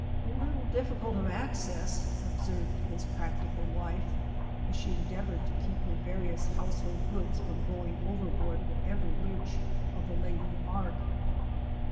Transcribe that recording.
" A little difficult of access," observed his ' practical wife, as she endeavored to keep her vari ous household gods from going overboard with every lurch of the laden ark.